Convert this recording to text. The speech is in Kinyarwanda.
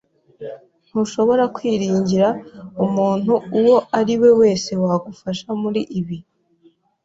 Ntushobora kwiringira umuntu uwo ari we wese wagufasha muri ibi.